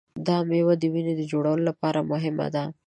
دا مېوه د وینې جوړولو لپاره مهمه ده.